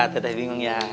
tetep bingung ya